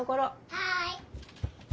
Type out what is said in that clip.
はい！